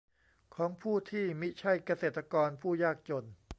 ของผู้ที่มิใช่เกษตรกรผู้ยากจน